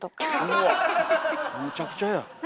うわむちゃくちゃや。